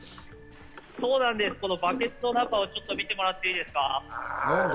バケツの中をちょっと見てもらっていいですか？